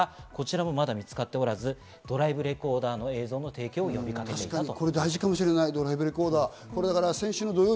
こちらもまだ見つかっておらず、ドライブレコーダーの映像の提供を呼びかけています。